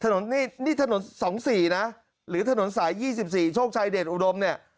ถนนนี่ถนน๒๔นะหรือถนนสาย๒๔โชคชัยเดชอุดมเนี่ย